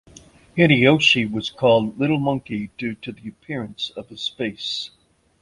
Hideyoshi was called "little monkey" due to the appearance of his face.